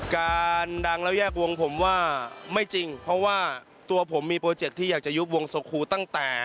การดังแล้วแยกวงผมว่าไม่จริงเพราะว่าตัวผมมีโปรเจคที่อยากจะยุบวงโซคูตั้งแต่